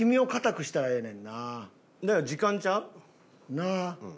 だから時間ちゃう？なあ。